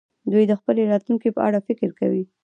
دوی د خپلې راتلونکې په اړه فکر کوي.